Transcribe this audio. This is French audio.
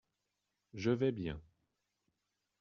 Je vais bien.